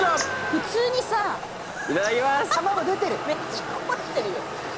めっちゃこぼれてるよ。